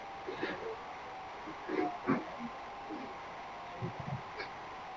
Nkora muri iyi nyubako.